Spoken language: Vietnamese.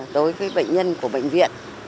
đối với bệnh nhân của bệnh viện